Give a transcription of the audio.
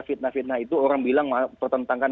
fitnah fitnah itu orang bilang pertentangan